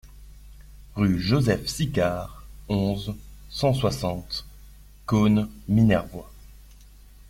Rue Joseph Sicard, onze, cent soixante Caunes-Minervois